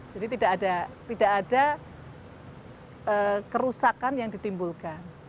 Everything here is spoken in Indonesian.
jadi tidak ada kerusakan